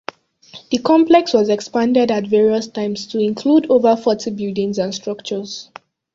The complex was expanded at various times to include over forty buildings and structures.